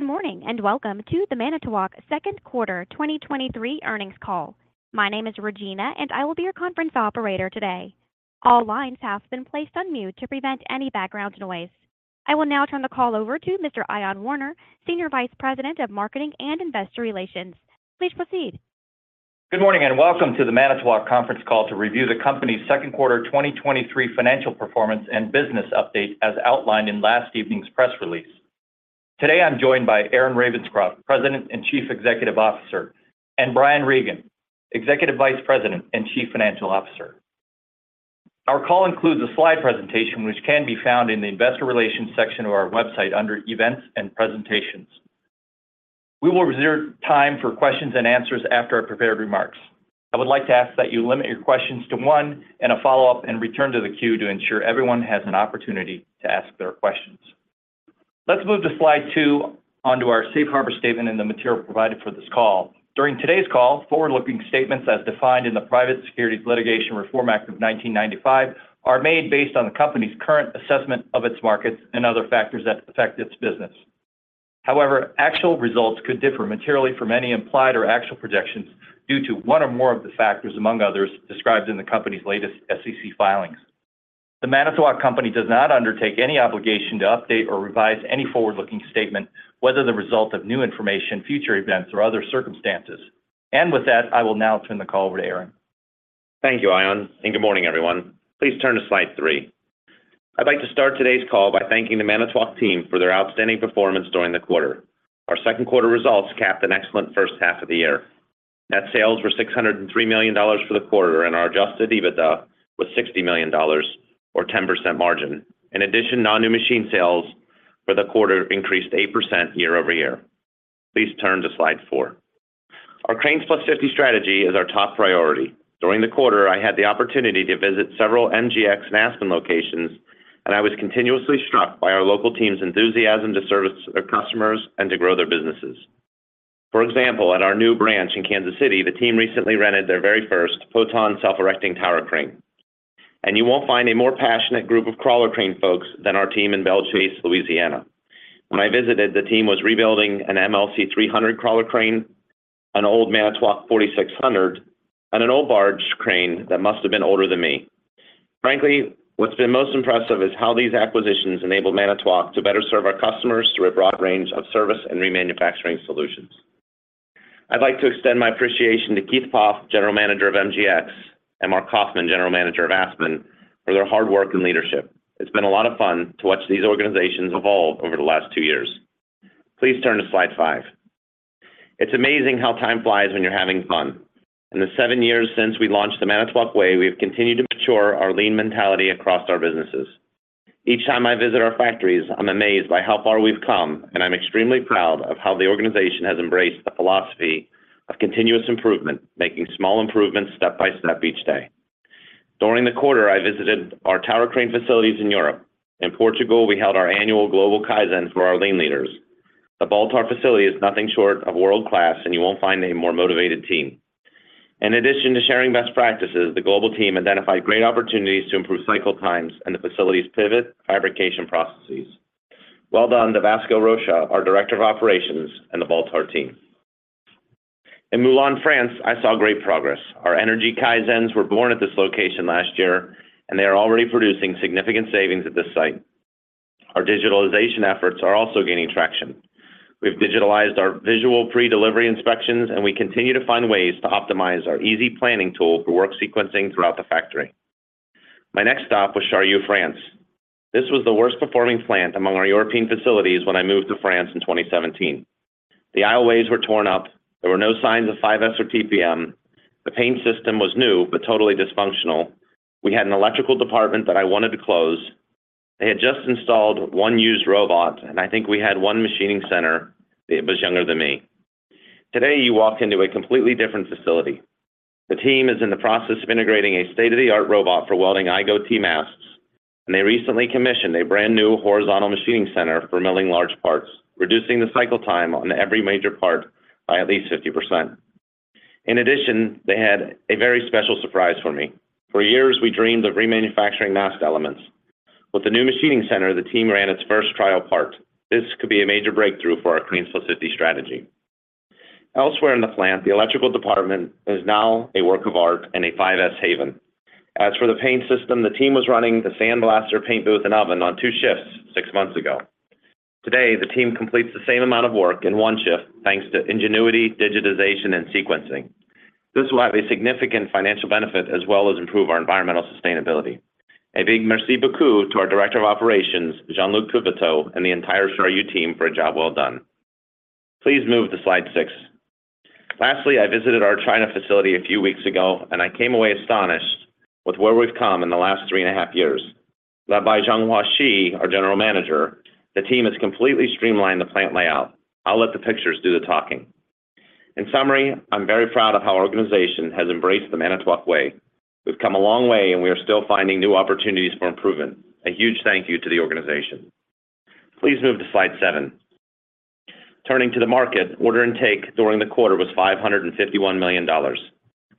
Good morning, welcome to the Manitowoc second quarter 2023 earnings call. My name is Regina, I will be your conference operator today. All lines have been placed on mute to prevent any background noise. I will now turn the call over to Mr. Ion Warner, Senior Vice President, Marketing and Investor Relations. Please proceed. Good morning, and welcome to The Manitowoc conference call to review the company's second quarter 2023 financial performance and business update, as outlined in last evening's press release. Today, I'm joined by Aaron Ravenscroft, President and Chief Executive Officer, and Brian Regan, Executive Vice President and Chief Financial Officer. Our call includes a slide presentation, which can be found in the investor relations section of our website under Events and Presentations. We will reserve time for questions and answers after our prepared remarks. I would like to ask that you limit your questions to one and a follow-up and return to the queue to ensure everyone has an opportunity to ask their questions. Let's move to slide 2, onto our safe harbor statement and the material provided for this call. During today's call, forward-looking statements as defined in the Private Securities Litigation Reform Act of 1995, are made based on the company's current assessment of its markets, and other factors that affect its business. However, actual results could differ materially from any implied or actual projections due to one or more of the factors, among others, described in the company's latest SEC filings. The Manitowoc Company does not undertake any obligation to update or revise any forward-looking statement, whether the result of new information, future events, or other circumstances. With that, I will now turn the call over to Aaron. Thank you, Iain, and good morning, everyone. Please turn to slide three. I'd like to start today's call by thanking The Manitowoc team for their outstanding performance during the quarter. Our second quarter results capped an excellent first half of the year. Net sales were $603 million for the quarter, and our adjusted EBITDA was $60 million or 10% margin. In addition, non-new machine sales for the quarter increased 8% year-over-year. Please turn to slide 4. Our CRANES+50 strategy is our top priority. During the quarter, I had the opportunity to visit several MGX and Aspen locations, and I was continuously struck by our local team's enthusiasm to service their customers and to grow their businesses. For example, at our new branch in Kansas City, the team recently rented their very first Potain Self-erecting Tower Crane, and you won't find a more passionate group of crawler crane folks than our team in Belle Chasse, Louisiana. When I visited, the team was rebuilding an MLC300 crawler crane, an old Manitowoc 4600, and an old barge crane that must have been older than me. Frankly, what's been most impressive is how these acquisitions enabled Manitowoc to better serve our customers through a broad range of service and remanufacturing solutions. I'd like to extend my appreciation to Keith Poff, General Manager of MGX, and Mark Kaufmann, General Manager of Aspen, for their hard work and leadership. It's been a lot of fun to watch these organizations evolve over the last two years. Please turn to slide five. It's amazing how time flies when you're having fun. In the seven years since we launched The Manitowoc Way, we've continued to mature our lean mentality across our businesses. Each time I visit our factories, I'm amazed by how far we've come, and I'm extremely proud of how the organization has embraced the philosophy of continuous improvement, making small improvements step by step each day. During the quarter, I visited our tower crane facilities in Europe. In Portugal, we held our annual Global Kaizen for our lean leaders. The Baltar facility is nothing short of world-class, and you won't find a more motivated team. In addition to sharing best practices, the global team identified great opportunities to improve cycle times and the facility's pivot fabrication processes. Well done to Vasco Rocha, our Director of Operations, and the Baltar team. In Moulins, France, I saw great progress. Our Energy Kaizens were born at this location last year. They are already producing significant savings at this site. Our digitalization efforts are also gaining traction. We've digitalized our visual pre-delivery inspections, and we continue to find ways to optimize our easy planning tool for work sequencing throughout the factory. My next stop was, Charlieu France. This was the worst-performing plant among our European facilities when I moved to France in 2017. The aisleways were torn up. There were no signs of 5S or TPM. The paint system was new but totally dysfunctional. We had an electrical department that I wanted to close. They had just installed one used robot, and I think we had one machining center that was younger than me. Today, you walk into a completely different facility. The team is in the process of integrating a state-of-the-art robot for welding Igo T masts, and they recently commissioned a brand-new horizontal machining center for milling large parts, reducing the cycle time on every major part by at least 50%. In addition, they had a very special surprise for me. For years, we dreamed of remanufacturing mast elements. With the new machining center, the team ran its first trial part. This could be a major breakthrough for our CRANES+50 strategy. Elsewhere in the plant, the electrical department is now a work of art and a 5S haven. As for the paint system, the team was running the sandblaster paint booth and oven on two shifts six months ago. Today, the team completes the same amount of work in one shift, thanks to ingenuity, digitization, and sequencing. This will have a significant financial benefit as well as improve our environmental sustainability. A big merci beaucoup to our Director of Operations, Jean-Luc Touvetot, and the entire Charneux team for a job well done. Please move to slide 6. I visited our China facility a few weeks ago, and I came away astonished with where we've come in the last three and a half years. Led by Zhang Hua Shi, our General Manager, the team has completely streamlined the plant layout. I'll let the pictures do the talking. In summary, I'm very proud of how our organization has embraced The Manitowoc Way. We've come a long way, we are still finding new opportunities for improvement. A huge thank you to the organization. Please move to slide seven. Turning to the market, order intake during the quarter was $551 million.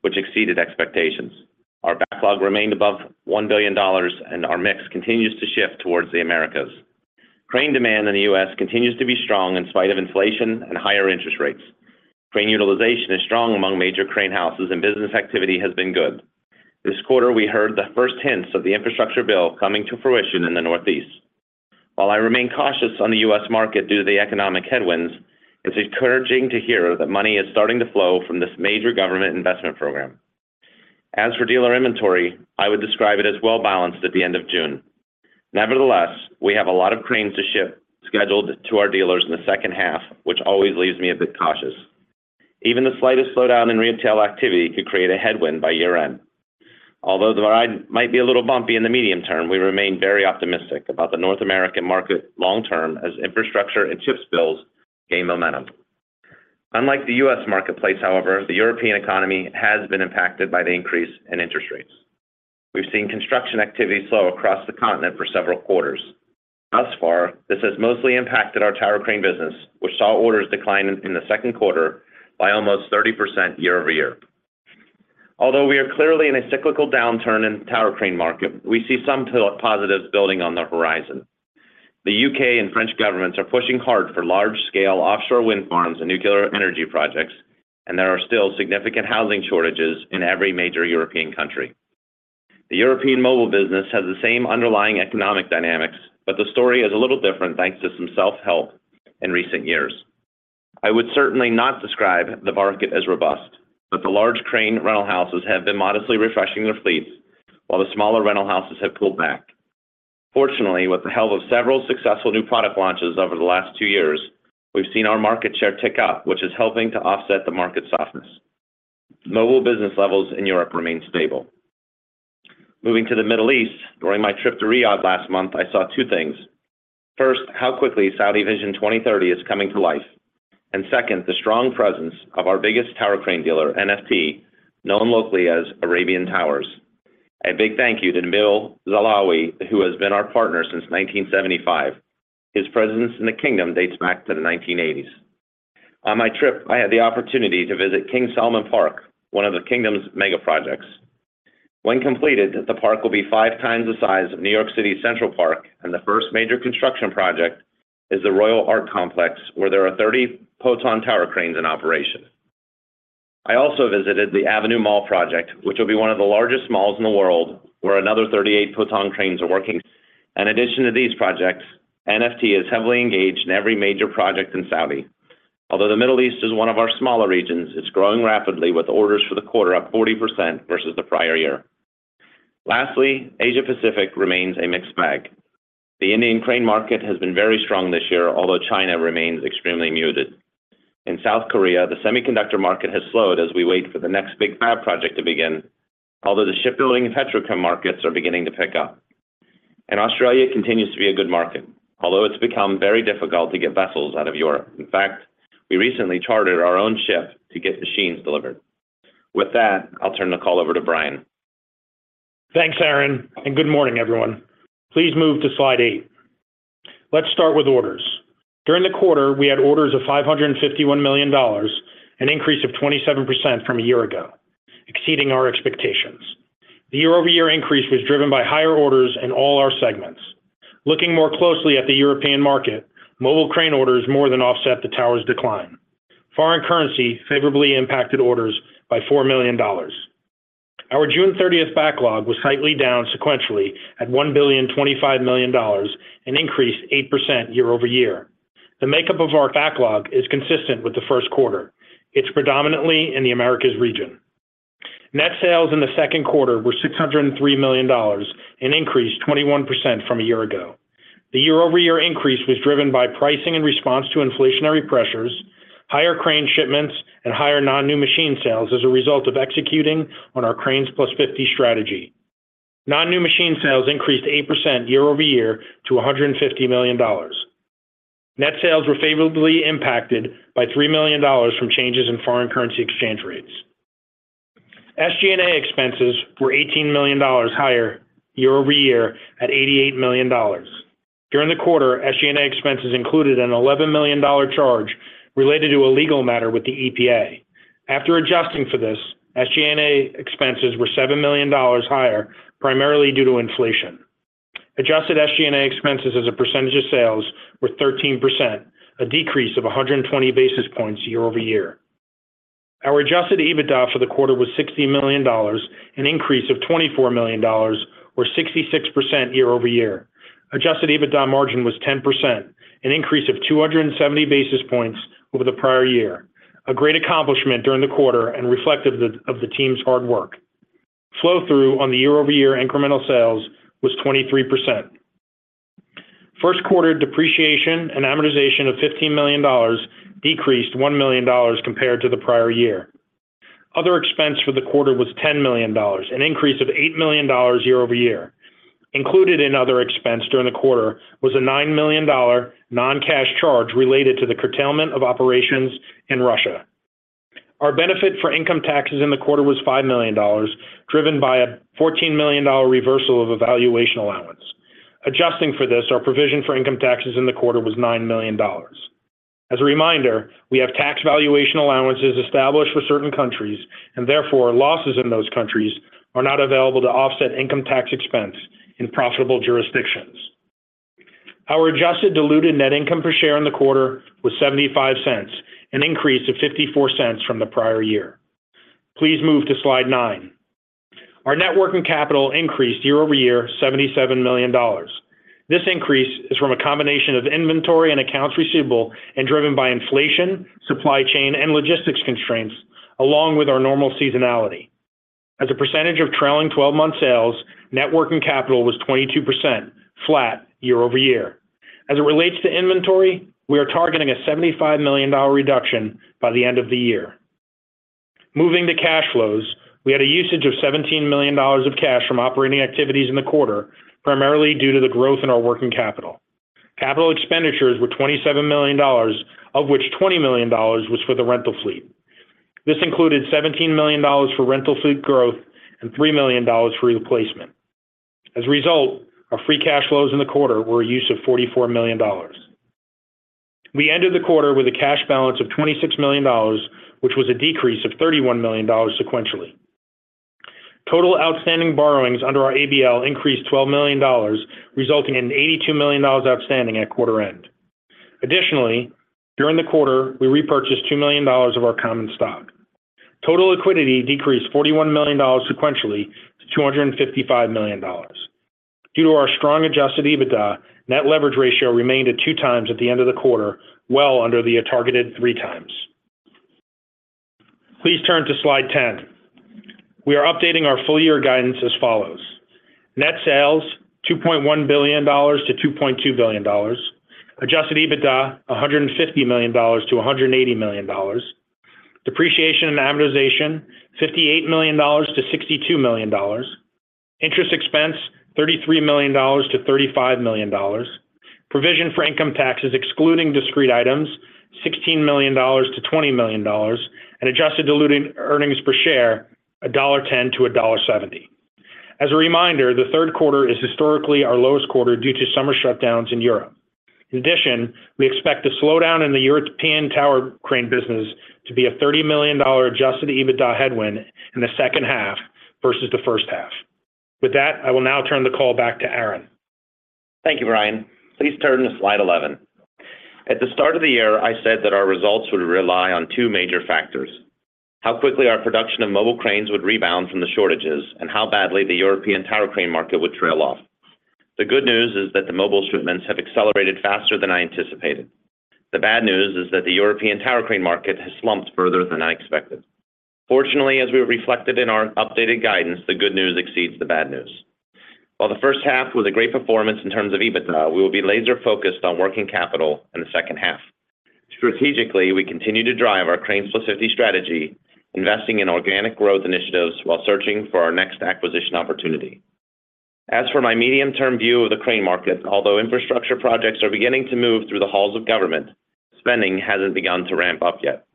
which exceeded expectations. Our backlog remained above $1 billion, and our mix continues to shift towards the Americas. Crane demand in the U.S. continues to be strong in spite of inflation and higher interest rates. Crane utilization is strong among major crane houses, and business activity has been good. This quarter, we heard the first hints of the infrastructure bill coming to fruition in the Northeast. While I remain cautious on the U.S. market due to the economic headwinds, it's encouraging to hear that money is starting to flow from this major government investment program. As for dealer inventory, I would describe it as well-balanced at the end of June. Nevertheless, we have a lot of cranes to ship scheduled to our dealers in the second half, which always leaves me a bit cautious. Even the slightest slowdown in retail activity could create a headwind by year-end. Although the ride might be a little bumpy in the medium term, we remain very optimistic about the North American market long term, as infrastructure and chips bills gain momentum. Unlike the U.S. marketplace, however, the European economy has been impacted by the increase in interest rates. We've seen construction activity slow across the continent for several quarters. Thus far, this has mostly impacted our tower crane business, which saw orders decline in the second quarter by almost 30% year-over-year. Although we are clearly in a cyclical downturn in the tower crane market, we see some positives building on the horizon. The U.K. and French governments are pushing hard for large-scale offshore wind farms and nuclear energy projects. There are still significant housing shortages in every major European country. The European mobile business has the same underlying economic dynamics, but the story is a little different, thanks to some self-help in recent years. I would certainly not describe the market as robust, but the large crane rental houses have been modestly refreshing their fleets, while the smaller rental houses have pulled back. Fortunately, with the help of several successful new product launches over the last two years, we've seen our market share tick up, which is helping to offset the market softness. Mobile business levels in Europe remain stable. Moving to the Middle East, during my trip to Riyadh last month, I saw two things. First, how quickly Saudi Vision 2030 is coming to life, and second, the strong presence of our biggest tower crane dealer, NFT, known locally as Arabian Towers. A big thank you to Nabil Al Alawi, who has been our partner since 1975. His presence in the Kingdom dates back to the 1980s. On my trip, I had the opportunity to visit King Salman Park, one of the Kingdom's mega projects. When completed, the park will be five times the size of New York City's Central Park, the first major construction project is the Royal Art Complex, where there are 30 Potain tower cranes in operation. I also visited the Avenue Mall project, which will be one of the largest malls in the world, where another 38 Potain cranes are working. In addition to these projects, NFT is heavily engaged in every major project in Saudi. The Middle East is one of our smaller regions, it's growing rapidly, with orders for the quarter up 40% versus the prior year. Lastly, Asia Pacific remains a mixed bag. The Indian crane market has been very strong this year, although China remains extremely muted. In South Korea, the semiconductor market has slowed as we wait for the next big fab project to begin, although the shipbuilding and petrochemical markets are beginning to pick up. Australia continues to be a good market, although it's become very difficult to get vessels out of Europe. In fact, we recently chartered our own ship to get machines delivered. With that, I'll turn the call over to Brian. Thanks, Aaron. Good morning, everyone. Please move to slide eight. Let's start with orders. During the quarter, we had orders of $551 million, an increase of 27% from a year ago, exceeding our expectations. The year-over-year increase was driven by higher orders in all our segments. Looking more closely at the European market, mobile crane orders more than offset the tower's decline. Foreign currency favorably impacted orders by $4 million. Our June 30th backlog was slightly down sequentially at $1.025 billion, an increase 8% year-over-year. The makeup of our backlog is consistent with the first quarter. It's predominantly in the Americas region. Net sales in the second quarter were $603 million, an increase 21% from a year ago. The year-over-year increase was driven by pricing in response to inflationary pressures, higher crane shipments, and higher non-new machine sales as a result of executing on our CRANES+50 strategy. Non-new machine sales increased 8% year-over-year to $150 million. Net sales were favorably impacted by $3 million from changes in foreign currency exchange rates. SG&A expenses were $18 million higher year-over-year at $88 million. During the quarter, SG&A expenses included an $11 million charge related to a legal matter with the EPA. After adjusting for this, SG&A expenses were $7 million higher, primarily due to inflation. Adjusted SG&A expenses as a percentage of sales were 13%, a decrease of 120 basis points year-over-year. Our adjusted EBITDA for the quarter was $60 million, an increase of $24 million or 66% year-over-year. Adjusted EBITDA margin was 10%, an increase of 270 basis points over the prior year, a great accomplishment during the quarter and reflective of the team's hard work. Flow-through on the year-over-year incremental sales was 23%. First quarter depreciation and amortization of $15 million decreased $1 million compared to the prior year. Other expense for the quarter was $10 million, an increase of $8 million year-over-year. Included in other expense during the quarter was a $9 million non-cash charge related to the curtailment of operations in Russia. Our benefit for income taxes in the quarter was $5 million, driven by a $14 million reversal of a valuation allowance. Adjusting for this, our provision for income taxes in the quarter was $9 million. As a reminder, we have tax valuation allowances established for certain countries, therefore, losses in those countries are not available to offset income tax expense in profitable jurisdictions. Our adjusted diluted net income per share in the quarter was $0.75, an increase of $0.54 from the prior year. Please move to slide 9. Our net working capital increased year-over-year, $77 million. This increase is from a combination of inventory and accounts receivable, driven by inflation, supply chain, and logistics constraints, along with our normal seasonality. As a percentage of trailing twelve-month sales, net working capital was 22%, flat year-over-year. As it relates to inventory, we are targeting a $75 million reduction by the end of the year. Moving to cash flows, we had a usage of $17 million of cash from operating activities in the quarter, primarily due to the growth in our working capital. Capital expenditures were $27 million, of which $20 million was for the rental fleet. This included $17 million for rental fleet growth and $3 million for replacement. As a result, our free cash flows in the quarter were a use of $44 million. We ended the quarter with a cash balance of $26 million, which was a decrease of $31 million sequentially. Total outstanding borrowings under our ABL increased $12 million, resulting in $82 million outstanding at quarter end. Additionally, during the quarter, we repurchased $2 million of our common stock. Total liquidity decreased $41 million sequentially to $255 million. Due to our strong adjusted EBITDA, net leverage ratio remained at two times at the end of the quarter, well under the targeted three times. Please turn to slide 10. We are updating our full year guidance as follows: Net sales, $2.1 billion-$2.2 billion. Adjusted EBITDA, $150 million-$180 million. Depreciation and amortization, $58 million-$62 million. Interest expense, $33 million-$35 million. Provision for income taxes, excluding discrete items, $16 million-$20 million, and adjusted diluted earnings per share, $1.10-$1.70. As a reminder, the third quarter is historically our lowest quarter due to summer shutdowns in Europe. In addition, we expect the slowdown in the European tower crane business to be a $30 million adjusted EBITDA headwind in the second half versus the first half. With that, I will now turn the call back to Aaron. Thank you, Brian. Please turn to slide 11. At the start of the year, I said that our results would rely on two major factors: how quickly our production of mobile cranes would rebound from the shortages, and how badly the European tower crane market would trail off. The good news is that the mobile shipments have accelerated faster than I anticipated. The bad news is that the European tower crane market has slumped further than I expected. Fortunately, as we reflected in our updated guidance, the good news exceeds the bad news. While the first half was a great performance in terms of EBITDA, we will be laser-focused on working capital in the second half. Strategically, we continue to drive our CRANES+50 strategy, investing in organic growth initiatives while searching for our next acquisition opportunity. As for my medium-term view of the crane market, although infrastructure projects are beginning to move through the halls of government, spending hasn't begun to ramp up yet.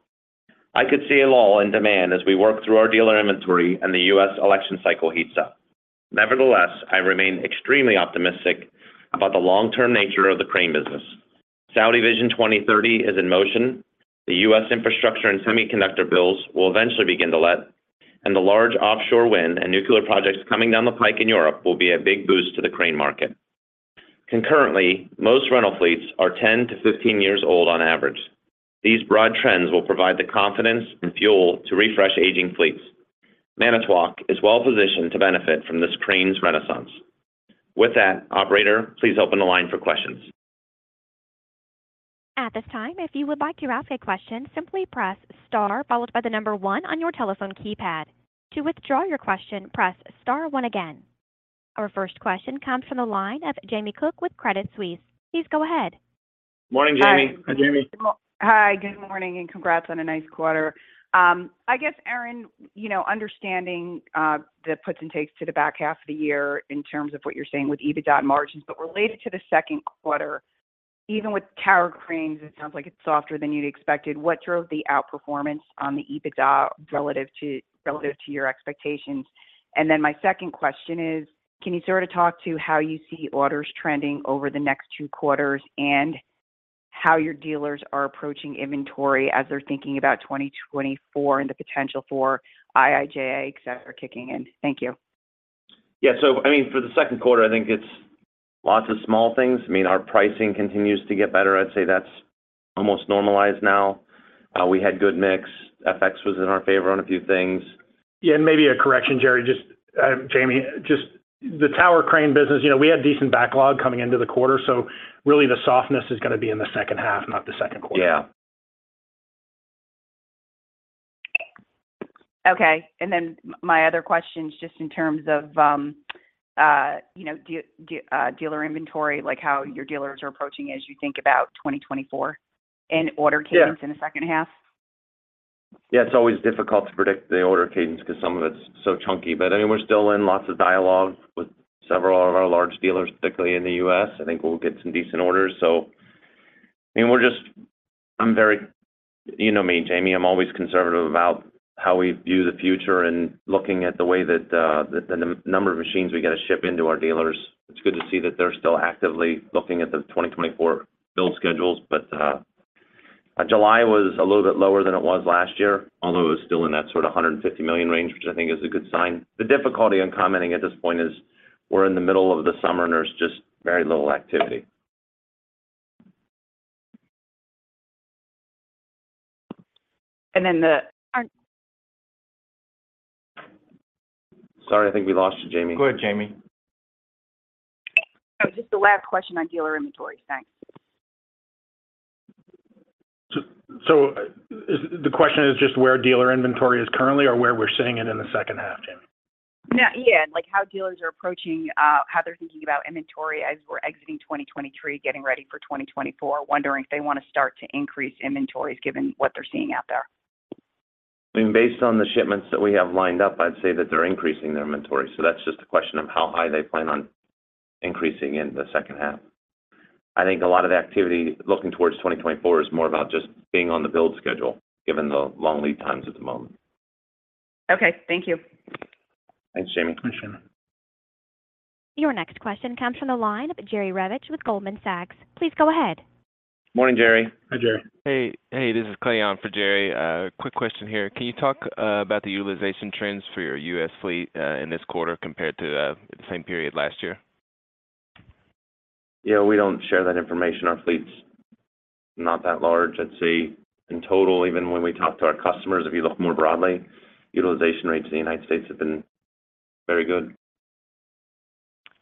I could see a lull in demand as we work through our dealer inventory and the U.S. election cycle heats up. Nevertheless, I remain extremely optimistic about the long-term nature of the crane business. Saudi Vision 2030 is in motion, the U.S. infrastructure and semiconductor bills will eventually begin to let, and the large offshore wind and nuclear projects coming down the pike in Europe will be a big boost to the crane market. Concurrently, most rental fleets are 10-15 years old on average. These broad trends will provide the confidence and fuel to refresh aging fleets. Manitowoc is well positioned to benefit from this cranes renaissance. With that, operator, please open the line for questions. At this time, if you would like to ask a question, simply press star followed by the number one on your telephone keypad. To withdraw your question, press star one again. Our first question comes from the line of Jamie Cook with Credit Suisse. Please go ahead. Morning, Jamie. Hi, Jamie. Hi, good morning, congrats on a nice quarter. I guess, Aaron, you know, understanding the puts and takes to the back half of the year in terms of what you're saying with EBITDA margins, but related to the second quarter, even with tower cranes, it sounds like it's softer than you'd expected. What drove the outperformance on the EBITDA relative to, relative to your expectations? My second question is: can you sort of talk to how you see orders trending over the next two quarters, and how your dealers are approaching inventory as they're thinking about 2024 and the potential for IIJA, et cetera, kicking in? Thank you. Yeah. I mean, for the second quarter, I think it's lots of small things. I mean, our pricing continues to get better. I'd say that's almost normalized now. We had good mix. FX was in our favor on a few things. Yeah, maybe a correction, Jerry, just, Jamie, just the tower crane business, you know, we had decent backlog coming into the quarter, so really the softness is gonna be in the second half, not the second quarter. Yeah. Okay, and then my other question is just in terms of, you know, dealer inventory, like how your dealers are approaching as you think about 2024 and order- Yeah cadence in the second half. Yeah, it's always difficult to predict the order cadence because some of it's so chunky. I mean, we're still in lots of dialogue with several of our large dealers, particularly in the U.S. I think we'll get some decent orders, so. I mean, we're just I'm very optimistic. You know me, Jamie, I'm always conservative about how we view the future and looking at the way that the number of machines we get to ship into our dealers. It's good to see that they're still actively looking at the 2024 build schedules. July was a little bit lower than it was last year, although it was still in that sort of $150 million range, which I think is a good sign. The difficulty in commenting at this point is we're in the middle of the summer, and there's just very little activity. And then the- Sorry, I think we lost you, Jamie. Go ahead, Jamie. Just the last question on dealer inventory. Thanks. The question is just where dealer inventory is currently or where we're sitting in the second half, Jamie? No. Yeah, like, how dealers are approaching, how they're thinking about inventory as we're exiting 2023, getting ready for 2024. Wondering if they want to start to increase inventories, given what they're seeing out there. I mean, based on the shipments that we have lined up, I'd say that they're increasing their inventory. That's just a question of how high they plan on increasing in the second half. I think a lot of activity looking towards 2024 is more about just being on the build schedule, given the long lead times at the moment. Okay. Thank you. Thanks, Jamie. Thanks, Jamie. Your next question comes from the line of Jerry Revich with Goldman Sachs. Please go ahead. Morning, Jerry. Hi, Jerry. Hey, hey, this is Clay on for Jerry. Quick question here. Can you talk about the utilization trends for your U.S. fleet in this quarter compared to the same period last year? Yeah, we don't share that information. Our fleet's not that large. I'd say in total, even when we talk to our customers, if you look more broadly, utilization rates in the United States have been very good.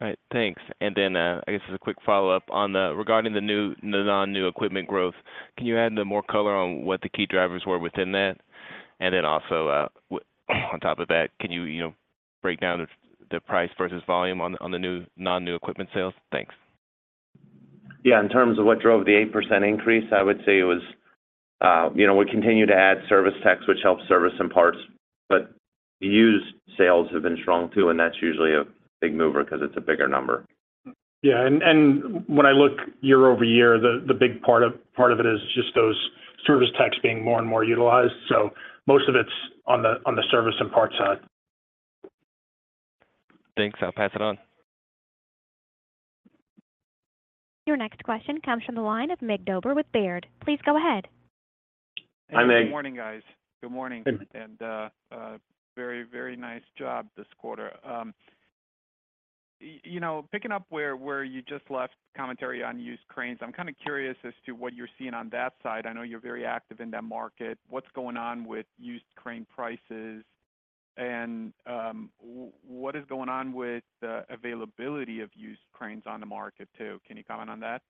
All right, thanks. I guess, as a quick follow-up regarding the new, the non-new equipment growth, can you add more color on what the key drivers were within that? Also, on top of that, can you, you know, break down the price versus volume on the new non-new equipment sales? Thanks. Yeah, in terms of what drove the 8% increase, I would say it was, you know, we continue to add service techs, which helps service some parts, but the used sales have been strong, too, and that's usually a big mover 'cause it's a bigger number. Yeah, and, and when I look year-over-year, the, the big part of, part of it is just those service techs being more and more utilized. Most of it's on the, on the service and parts side. Thanks. I'll pass it on. Your next question comes from the line of Mircea Dobre with Baird. Please go ahead. Hi, Mircea Dobre. Good morning, guys. Good morning. Good- A very, very nice job this quarter. You know, picking up where, where you just left commentary on used cranes, I'm kind of curious as to what you're seeing on that side. I know you're very active in that market. What's going on with used crane prices? What is going on with the availability of used cranes on the market, too? Can you comment on that?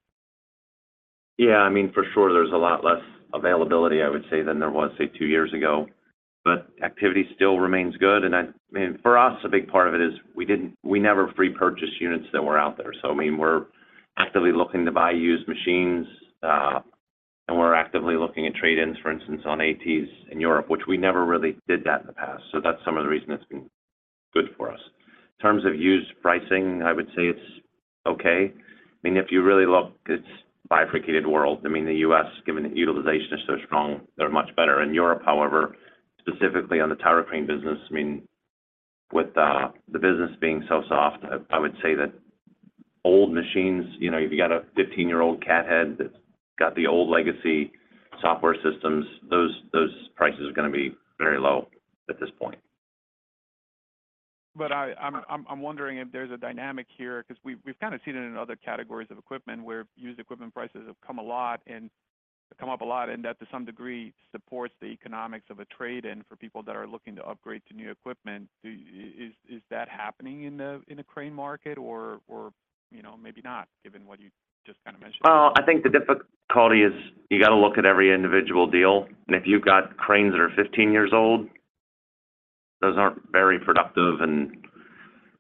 Yeah. I mean, for sure, there's a lot less availability, I would say, than there was, say, two years ago, but activity still remains good. I mean, for us, a big part of it is we never pre-purchase units that were out there. I mean, we're actively looking to buy used machines, and we're actively looking at trade-ins, for instance, on ATs in Europe, which we never really did that in the past. That's some of the reason it's been good for us. In terms of used pricing, I would say it's okay. I mean, if you really look, it's bifurcated world. I mean, the U.S., given that utilization is so strong, they're much better. In Europe, however, specifically on the tower crane business, I mean, with the business being so soft, I, I would say that old machines, you know, if you got a 15-year-old cathead that's got the old legacy software systems, those, those prices are gonna be very low at this point. I'm wondering if there's a dynamic here, 'cause we've, we've kind of seen it in other categories of equipment where used equipment prices have come a lot, and, have come up a lot, and that, to some degree, supports the economics of a trade-in for people that are looking to upgrade to new equipment. Is that happening in the, in the crane market or, or, you know, maybe not, given what you just kind of mentioned? Well, I think the difficulty is you got to look at every individual deal, and if you've got cranes that are 15 years old, those aren't very productive, and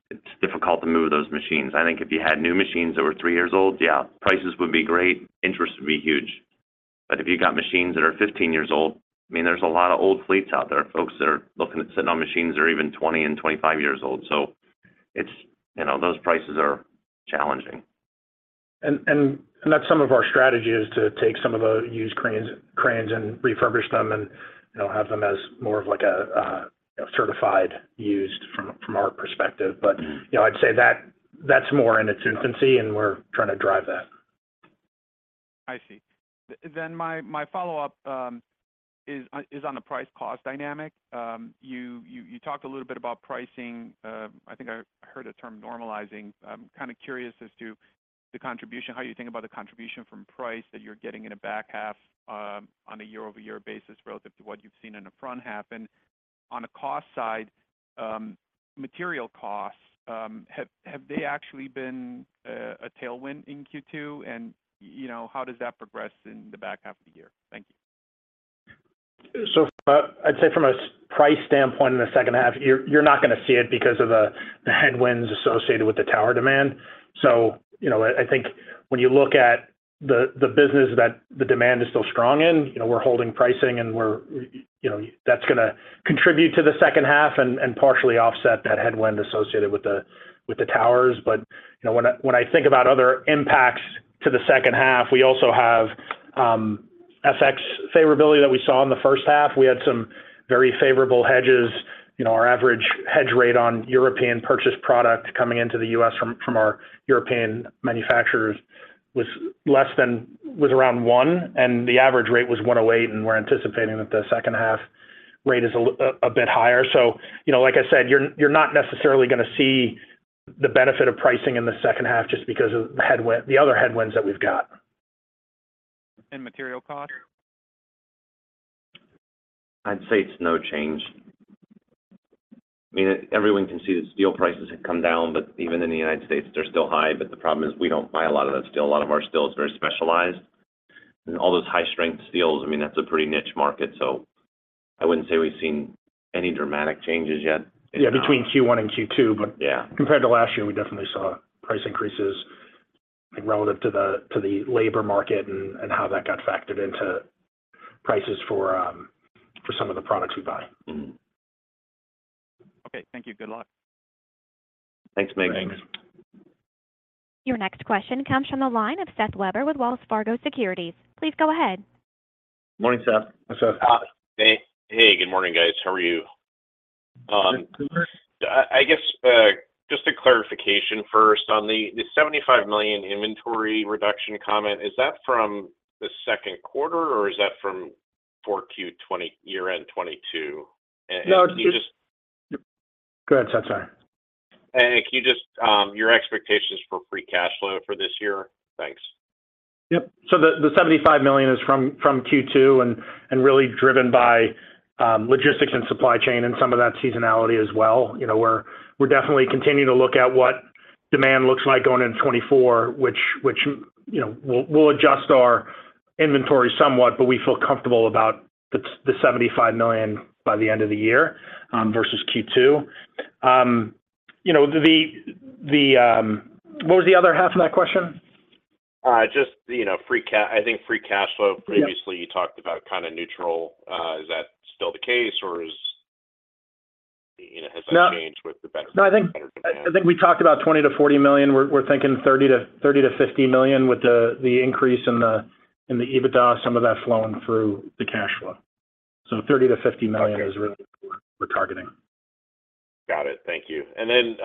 it's difficult to move those machines. I think if you had new machines that were three years old, yeah, prices would be great, interest would be huge. If you got machines that are 15 years old, I mean, there's a lot of old fleets out there, folks that are looking at sitting on machines that are even 20 and 25 years old. It's, you know, those prices are challenging. That's some of our strategy, is to take some of the used cranes and refurbish them and, you know, have them as more of like a, a certified used from, from our perspective. Mm-hmm. you know, I'd say that's more in its infancy, and we're trying to drive that. I see. My, my follow-up is on the price cost dynamic. You talked a little bit about pricing. I think I heard the term normalizing. I'm kind of curious as to the contribution, how you think about the contribution from price that you're getting in a back half on a year-over-year basis relative to what you've seen in the front half. On the cost side, material costs, have they actually been a tailwind in Q2? You know, how does that progress in the back half of the year? Thank you. I'd say from a price standpoint in the second half, you're, you're not going to see it because of the, the headwinds associated with the tower demand. You know, I, I think when you look at the, the business that the demand is still strong in, you know, we're holding pricing, and we're, you know, that's going to contribute to the second half and, and partially offset that headwind associated with the, with the towers. You know, when I, when I think about other impacts, to the second half, we also have FX favorability that we saw in the first half. We had some very favorable hedges. You know, our average hedge rate on European purchased product coming into the U.S. from our European manufacturers was around one, the average rate was 1.08. We're anticipating that the second half rate is a bit higher. You know, like I said, you're not necessarily gonna see the benefit of pricing in the second half just because of the other headwinds that we've got. Material costs? I'd say it's no change. I mean, everyone can see the steel prices have come down, even in the United States, they're still high. The problem is, we don't buy a lot of that steel. A lot of our steel is very specialized, and all those high-strength steels, I mean, that's a pretty niche market. I wouldn't say we've seen any dramatic changes yet. Yeah, between Q1 and Q2, but. Yeah... compared to last year, we definitely saw price increases relative to the labor market and how that got factored into prices for some of the products we buy. Mm-hmm. Okay. Thank you. Good luck. Thanks, Mircea. Thanks. Your next question comes from the line of Seth Weber with Wells Fargo Securities. Please go ahead. Morning, Seth. Hi, Seth. Hi. Hey. Hey, good morning, guys. How are you? Good. I, I guess, just a clarification first on the, the $75 million inventory reduction comment. Is that from the second quarter, or is that from 4Q 2022 year-end? Can you just- No, just... Go ahead, Seth, sorry. Can you just, your expectations for free cash flow for this year? Thanks. Yep. The, the $75 million is from, from Q2, and, and really driven by, logistics and supply chain and some of that seasonality as well. You know, we're, we're definitely continuing to look at what demand looks like going into 2024, which, which, you know, we'll, we'll adjust our inventory somewhat, but we feel comfortable about the, the $75 million by the end of the year, versus Q2. You know, the, the, what was the other half of that question? just, you know, I think free cash flow. Yeah... previously you talked about kind of neutral. Is that still the case, or is, you know, has that changed with the benefit of better demand? No, I think we talked about $20 million-$40 million. We're thinking $30 million-$50 million with the increase in the EBITDA, some of that flowing through the cash flow. $30 million-$50 million. Okay... is really what we're targeting. Got it. Thank you. Then,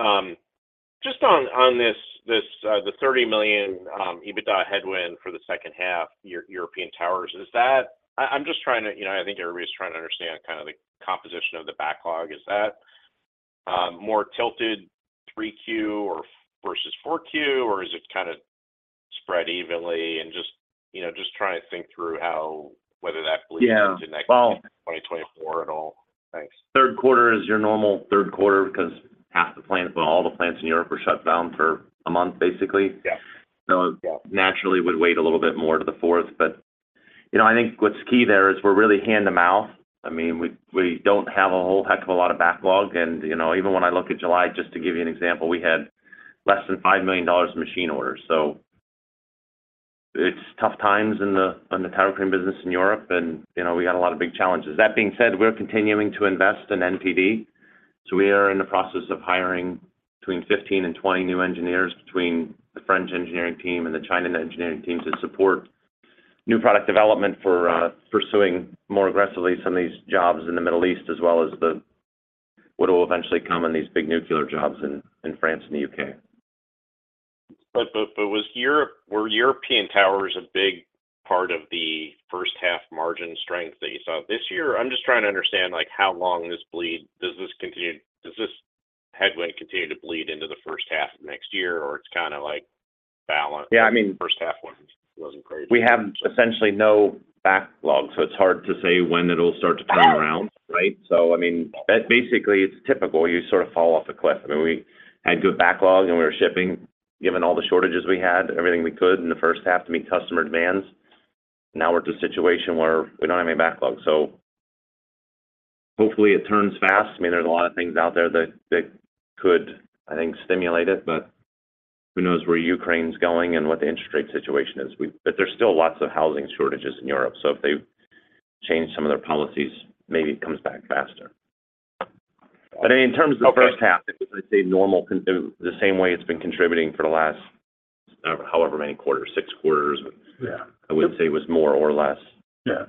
just on, on this, this, the $30 million EBITDA headwind for the second half, European Towers, is that... I, I'm just trying to, you know, I think everybody's trying to understand kind of the composition of the backlog. Is that, more tilted 3Q or versus 4Q, or is it kind of spread evenly? Just, you know, just trying to think through how, whether that bleeds- Yeah into next, 2024 at all. Thanks. Third quarter is your normal third quarter because half the plants, well, all the plants in Europe were shut down for a month, basically. Yeah. Naturally, it would weight a little bit more to the fourth. You know, I think what's key there is we're really hand-to-mouth. I mean, we, we don't have a whole heck of a lot of backlog. You know, even when I look at July, just to give you an example, we had less than $5 million in machine orders. It's tough times in the, in the tower crane business in Europe, and, you know, we got a lot of big challenges. That being said, we're continuing to invest in NPD, so we are in the process of hiring between 15 and 20 new engineers between the French engineering team and the China engineering teams to support new product development for, pursuing more aggressively some of these jobs in the Middle East, as well as the, what will eventually come in these big nuclear jobs in, in France and the U.K. Was European towers a big part of the first half margin strength that you saw this year? I'm just trying to understand, like, how long this bleed. Does this headway continue to bleed into the first half of next year, or it's kind of like balanced? Yeah, I mean. The first half wasn't, wasn't great. We have essentially no backlog, so it's hard to say when it'll start to turn around, right? I mean, basically, it's typical. You sort of fall off a cliff. I mean, we had good backlog, and we were shipping, given all the shortages we had, everything we could in the first half to meet customer demands. Now we're at a situation where we don't have any backlog, hopefully it turns fast. I mean, there's a lot of things out there that, that could, I think, stimulate it, but who knows where Ukraine's going and what the interest rate situation is. There's still lots of housing shortages in Europe, so if they change some of their policies, maybe it comes back faster. In terms of the first half, I'd say normal the same way it's been contributing for the last however many quarters, six quarters. Yeah. I wouldn't say it was more or less. Yeah.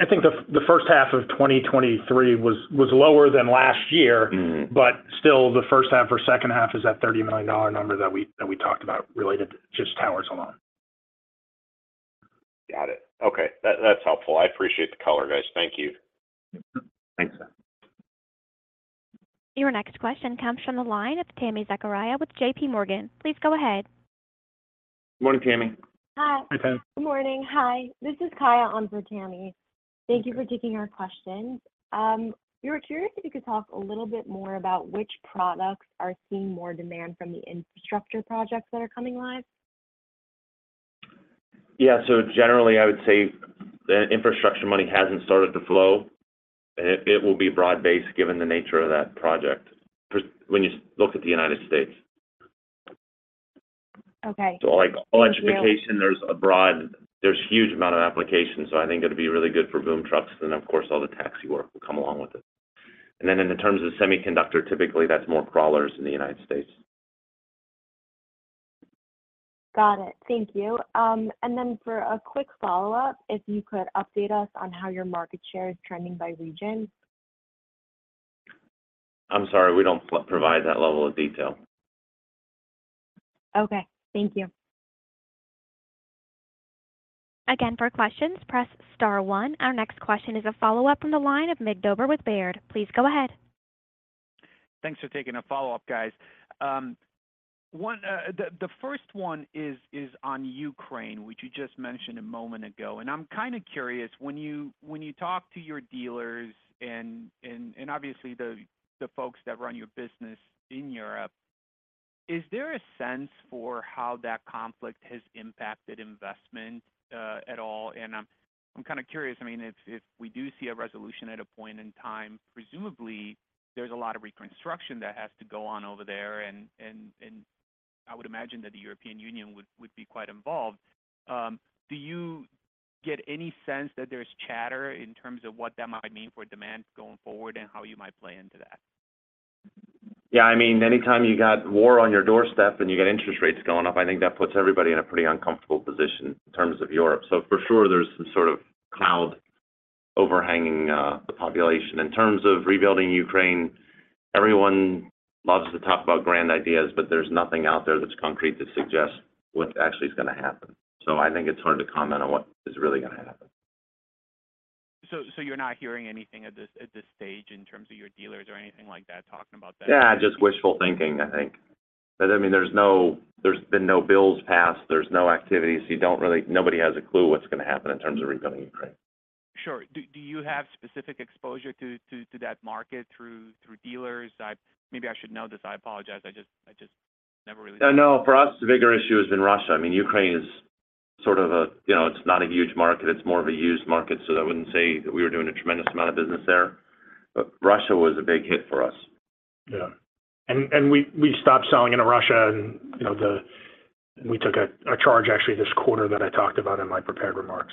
I think the first half of 2023 was lower than last year. Mm-hmm. Still, the first half or second half is that $30 million number that we talked about related to just towers alone. Got it. Okay, that, that's helpful. I appreciate the color, guys. Thank you. Thanks, Seth. Your next question comes from the line of Tami Zakaria with JPMorgan. Please go ahead. Morning, Tami. Hi. Hi, Tam. Good morning. Hi, this is Kaya on for Tami. Thank you for taking our questions. We were curious if you could talk a little bit more about which products are seeing more demand from the infrastructure projects that are coming live. Yeah. Generally, I would say the infrastructure money hasn't started to flow. It will be broad-based, given the nature of that project, when you look at the United States. Okay. Like electrification, there's a huge amount of applications, so I think it'll be really good for boom trucks, and of course, all the taxi work will come along with it. Then in terms of semiconductor, typically that's more crawlers in the United States. Got it. Thank you. Then for a quick follow-up, if you could update us on how your market share is trending by region? I'm sorry, we don't provide that level of detail. Okay, thank you. Again, for questions, press star one. Our next question is a follow-up from the line of Mircea Dobre with Baird. Please go ahead. Thanks for taking a follow-up, guys. One, the first one is on Ukraine, which you just mentioned a moment ago, and I'm kind of curious, when you, when you talk to your dealers and, and, and obviously the, the folks that run your business in Europe, is there a sense for how that conflict has impacted investment at all? I'm, I'm kind of curious, I mean, if, if we do see a resolution at a point in time, presumably there's a lot of reconstruction that has to go on over there, and, and, and I would imagine that the European Union would, would be quite involved. Do you get any sense that there's chatter in terms of what that might mean for demand going forward and how you might play into that? Yeah. I mean, anytime you got war on your doorstep and you get interest rates going up, I think that puts everybody in a pretty uncomfortable position in terms of Europe. For sure, there's some sort of cloud overhanging the population. In terms of rebuilding Ukraine, everyone loves to talk about grand ideas, but there's nothing out there that's concrete to suggest what actually is gonna happen. I think it's hard to comment on what is really gonna happen. So you're not hearing anything at this stage in terms of your dealers or anything like that, talking about that? Yeah, just wishful thinking, I think. I mean, there's been no bills passed, there's no activity, so you don't really. Nobody has a clue what's gonna happen in terms of rebuilding Ukraine. Sure. Do you have specific exposure to that market through dealers? Maybe I should know this. I apologize. I just never really- No, for us, the bigger issue has been Russia. I mean, Ukraine is sort of a, you know, it's not a huge market, it's more of a used market, so I wouldn't say that we were doing a tremendous amount of business there. Russia was a big hit for us. Yeah. We, we stopped selling into Russia and, you know, the, we took a, a charge actually this quarter that I talked about in my prepared remarks.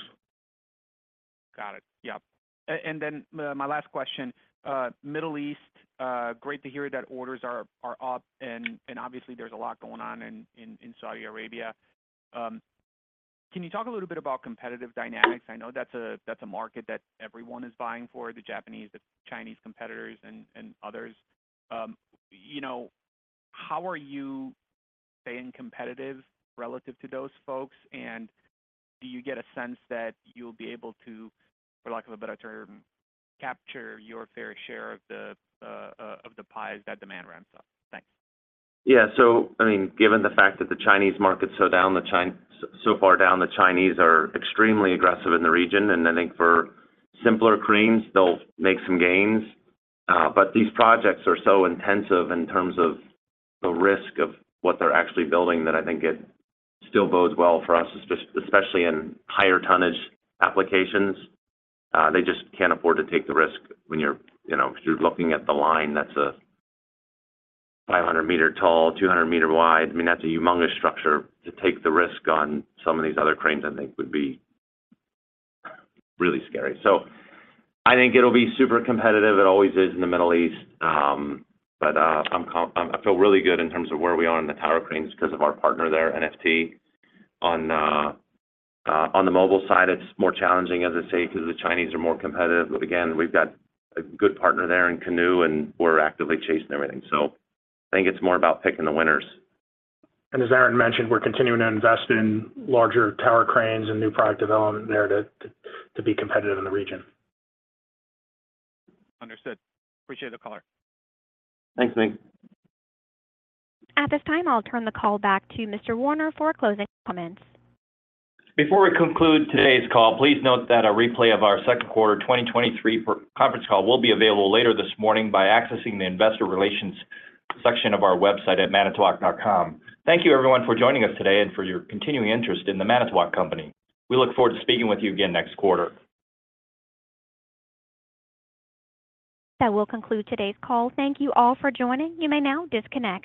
Got it. Yeah. Then, my last question, Middle East, great to hear that orders are, are up, and, and obviously there's a lot going on in, in, in Saudi Arabia. Can you talk a little bit about competitive dynamics? I know that's a, that's a market that everyone is buying for, the Japanese, the Chinese competitors, and, and others. You know, how are you staying competitive relative to those folks? Do you get a sense that you'll be able to, for lack of a better term, capture your fair share of the pie as that demand ramps up? Thanks. Yeah. I mean, given the fact that the Chinese market is so down, so far down, the Chinese are extremely aggressive in the region, and I think for simpler cranes, they'll make some gains. These projects are so intensive in terms of the risk of what they're actually building, that I think it still bodes well for us, especially in higher tonnage applications. They just can't afford to take the risk when you're, you know, if you're looking at THE LINE, that's a 500 meter tall, 200 meter wide. I mean, that's a humongous structure. To take the risk on some of these other cranes, I think would be really scary. I think it'll be super competitive. It always is in the Middle East. I feel really good in terms of where we are in the tower cranes because of our partner there, NFT. On the mobile side, it's more challenging, as I say, because the Chinese are more competitive. Again, we've got a good partner there in Kanoo, and we're actively chasing everything. I think it's more about picking the winners. As Aaron mentioned, we're continuing to invest in larger tower cranes and new product development there to be competitive in the region. Understood. Appreciate the call. Thanks, Mir. At this time, I'll turn the call back to Mr. Warner for closing comments. Before we conclude today's call, please note that a replay of our second quarter 2023 for conference call will be available later this morning by accessing the investor relations section of our website @manitowoc.com. Thank you, everyone, for joining us today and for your continuing interest in The Manitowoc Company. We look forward to speaking with you again next quarter. That will conclude today's call. Thank you all for joining. You may now disconnect.